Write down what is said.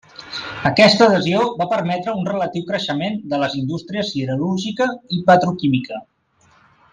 Aquesta adhesió va permetre un relatiu creixement de les indústries siderúrgica i petroquímica.